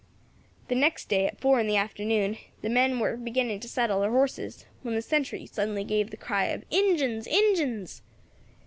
"The next day, at four in the afternoon, the men war beginning to saddle their horses, when the sentry suddenly gave the cry of 'Injins, Injins!'